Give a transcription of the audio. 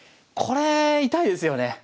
これ痛いですよね。